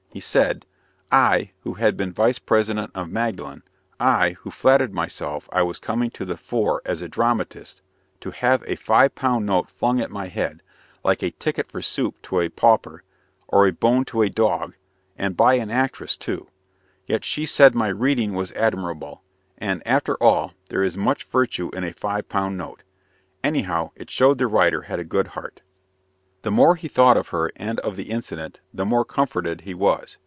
He said: "I, who had been vice president of Magdalen I, who flattered myself I was coming to the fore as a dramatist to have a five pound note flung at my head, like a ticket for soup to a pauper, or a bone to a dog, and by an actress, too! Yet she said my reading was admirable; and, after all, there is much virtue in a five pound note. Anyhow, it showed the writer had a good heart." The more he thought of her and of the incident, the more comforted he was.